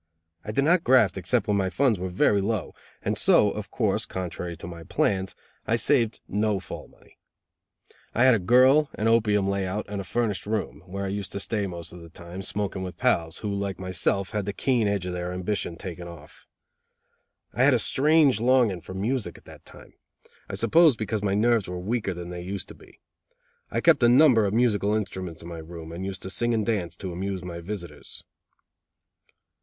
I did not graft except when my funds were very low, and so, of course, contrary to my plans, I saved no fall money. I had a girl, an opium lay out and a furnished room, where I used to stay most of the time, smoking with pals, who, like myself, had had the keen edge of their ambition taken off. I had a strange longing for music at that time; I suppose because my nerves were weaker than they used to be. I kept a number of musical instruments in my room, and used to sing and dance to amuse my visitors.